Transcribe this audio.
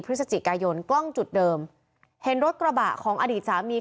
พฤศจิกายนกล้องจุดเดิมเห็นรถกระบะของอดีตสามี